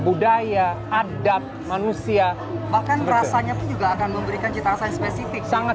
budaya adat manusia bahkan rasanya itu juga akan memberikan cerita yang spesifik sangat